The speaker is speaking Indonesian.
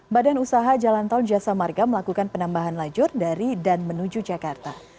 badan usaha jalan tol jasa marga melakukan penambahan lajur dari dan menuju jakarta